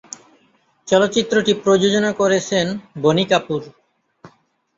চলচ্চিত্রটি প্রযোজনা করেছেন বনি কাপুর।